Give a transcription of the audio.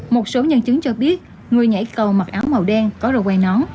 một số nhân chứng cho biết người nhảy cầu mặc áo màu đen có rồi quay nón